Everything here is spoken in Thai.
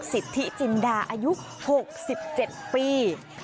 สิทธิจินดาอายุ๖๗ปี